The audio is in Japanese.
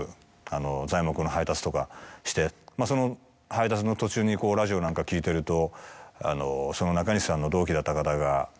その配達の途中にこうラジオなんか聞いてると。